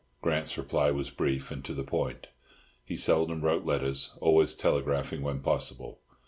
Grant's reply was brief and to the point; he seldom wrote letters, always telegraphing when possible.